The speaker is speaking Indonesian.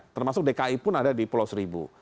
termasuk dki pun ada di pulau seribu